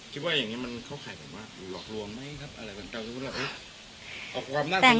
คิดว่าอย่างเงี้ยมันเขาไห่แบบว่าหรอบรวมไม่ครับอะไรกันค่ะ